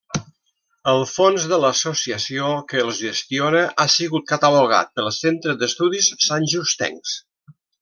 El fons de l'associació que els gestiona ha sigut catalogat pel Centre d'Estudis Santjustencs.